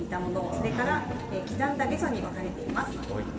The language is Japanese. それから刻んだゲソに分かれています。